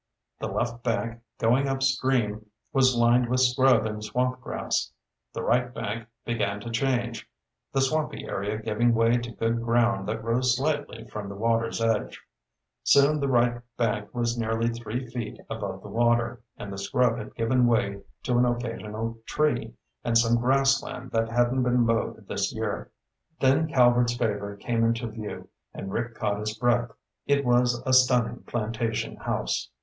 The left bank, going upstream, was lined with scrub and swamp grass. The right bank began to change, the swampy area giving way to good ground that rose slightly from the water's edge. Soon the right bank was nearly three feet above the water, and the scrub had given way to an occasional tree, and some grassland that hadn't been mowed this year. Then Calvert's Favor came into view and Rick caught his breath. It was a stunning plantation house.